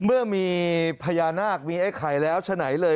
เมื่อมีพญานาคมีไอ้ไข่แล้วฉะไหนเลย